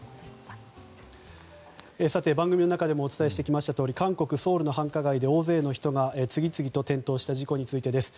番組の中でもお伝えしてきましたとおり韓国ソウルの繁華街で大勢の人が次々と転倒した事故についてです。